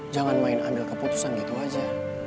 jangan main ambil keputusan gitu aja